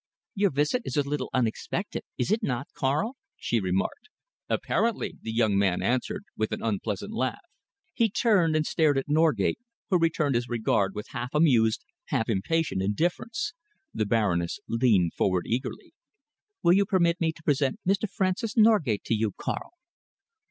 "Your visit is a little unexpected, is it not, Karl?" she remarked. "Apparently!" the young man answered, with an unpleasant laugh. He turned and stared at Norgate, who returned his regard with half amused, half impatient indifference. The Baroness leaned forward eagerly. "Will you permit me to present Mr. Francis Norgate to you, Karl?"